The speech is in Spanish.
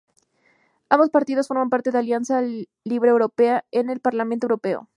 Ambos partidos forman parte de la Alianza Libre Europea en el Parlamento Europeo.